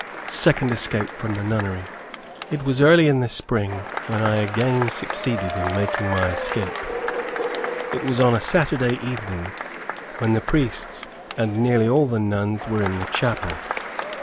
SECOND ESCAPE FROM THE NUNNERY. It was early in the spring, when I again succeeded in making my escape. It was on a Saturday evening, when the priests and nearly all the nuns were In the chapel.